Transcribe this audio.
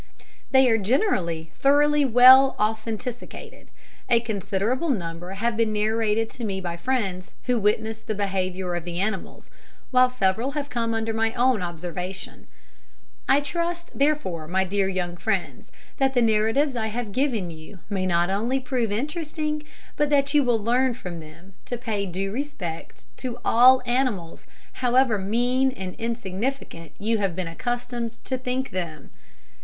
They are generally thoroughly well authenticated. A considerable number have been narrated to me by friends who witnessed the behaviour of the animals, while several have come under my own observation. I trust, therefore, my dear young friends, that the narratives I have given you may not only prove interesting, but that you will learn from them to pay due respect to all animals, however mean and insignificant you have been accustomed to think them.